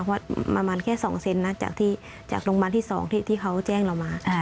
เพราะประมาณแค่๒เซนนะจากโรงพยาบาลที่๒ที่เขาแจ้งเรามา